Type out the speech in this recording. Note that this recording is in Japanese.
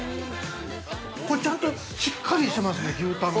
◆これ、ちゃんとしっかりしてますね、牛タンが。